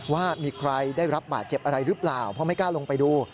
ว่ามีใครได้รับบาดเจ็บอะไรหรือเปล่าเพราะไม่กล้าลงไปดู